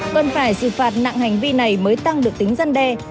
cần phải xử phạt nặng hành vi này mới tăng được tính dân đe